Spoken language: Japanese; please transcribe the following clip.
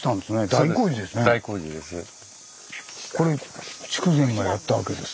大工事です。